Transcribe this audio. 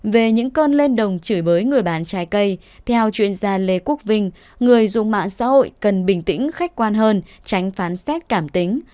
về những cơn lên đồng chửi bới người bán trái cây theo chuyên gia lê quốc vinh người dùng mạng xã hội cần bình tĩnh khách quan hơn tránh phán xét cảm tính